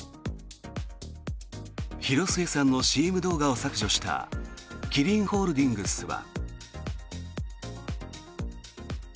広末さんのＣＭ動画を削除したキリンホールディングスは。